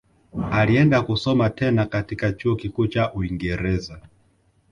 Alienda kusoma tena katika chuo kikuu cha uingereza